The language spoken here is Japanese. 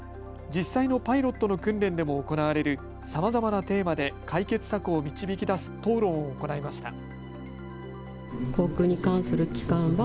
実際のパイロットの訓練でも行われるさまざまなテーマで解決策を導き出す討論を行いました。